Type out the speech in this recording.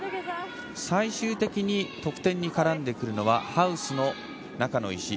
最終的に得点に絡んでくるのはハウスの中の石。